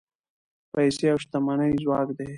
پیسې او شتمني ځواک دی.